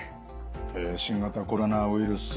新型コロナウイルス